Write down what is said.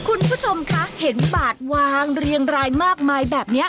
คุณผู้ชมคะเห็นบาดวางเรียงรายมากมายแบบนี้